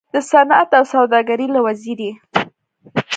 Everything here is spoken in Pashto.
د صنعت او سوداګرۍ له وزیر